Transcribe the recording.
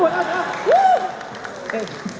boleh dua juga boleh